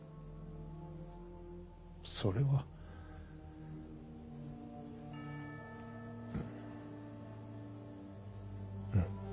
それはうん。